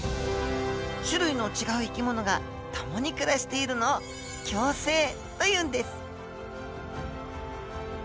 種類の違う生き物が共に暮らしているのを「共生」というんです。